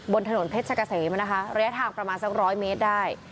บนถนนเพชรกะเสมนะคะระยะทางประมาณสักร้อยเมตรได้